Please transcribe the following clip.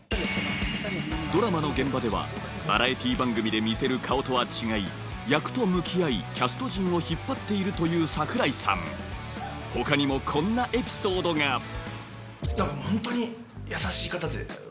ドラマの現場ではバラエティー番組で見せる顔とは違い役と向き合いキャスト陣を引っ張っているという櫻井さん他にもこんなエピソードがホントに優しい方で。